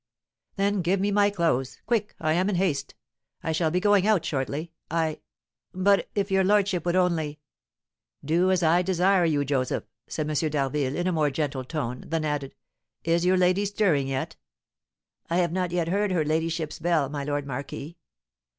"Then give me my clothes, quick, I am in haste; I shall be going out shortly. I " "But if your lordship would only " "Do as I desire you, Joseph," said M. d'Harville, in a more gentle tone; then added, "Is your lady stirring yet?" "I have not yet heard her ladyship's bell, my lord marquis."